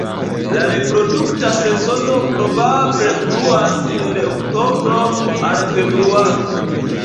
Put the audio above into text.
La reprodukta sezono probable pluas el oktobro al februaro.